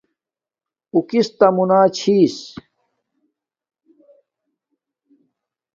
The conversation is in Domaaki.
او کستہ مونا چھس